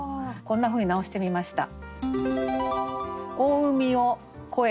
こんなふうに直してみました。